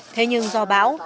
thế nhưng do bão